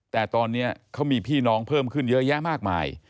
แต่ตอนนี้เขามีพี่น้องเพิ่มขึ้นเยอะแยะมากมาย